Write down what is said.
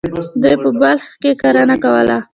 دوی په بلخ کې کرنه کوله.